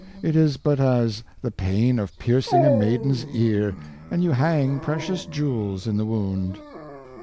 It is but as the pain of piercing a maiden's ear, and you hang precious jewels in the wound."